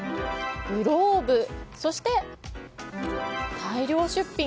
グローブ、そして大量出品。